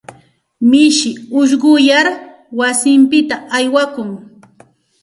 Mishi ushquyar wasinpita aywakun.